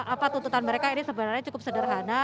apa tuntutan mereka ini sebenarnya cukup sederhana